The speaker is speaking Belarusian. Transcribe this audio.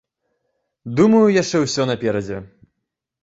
Думаю яшчэ ўсё наперадзе.